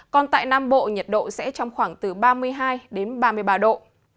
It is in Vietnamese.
còn tại nam bộ nhiệt độ sẽ trong khoảng từ ba mươi hai đến ba mươi ba độ